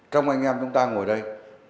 trong anh em chúng ta ngồi đây